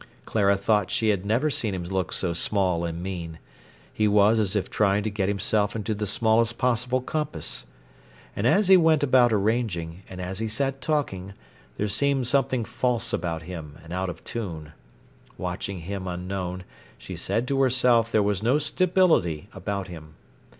Clara thought she had never seen him look so small and mean. He was as if trying to get himself into the smallest possible compass. And as he went about arranging, and as he sat talking, there seemed something false about him and out of tune. Watching him unknown, she said to herself there was no stability about him.